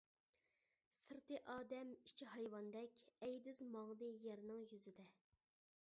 سىرتى ئادەم ئىچى ھايۋاندەك، ئەيدىز ماڭدى يەرنىڭ يۈزىدە.